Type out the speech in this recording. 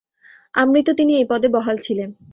আমৃত্যু তিনি এই পদে বহাল ছিলেন।